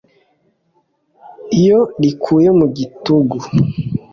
iyo irikuye mu gitugu